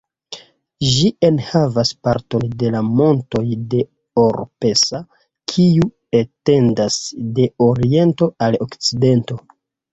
Ĝi enhavas parton de la montoj de Oropesa kiuj etendas de oriento al okcidento.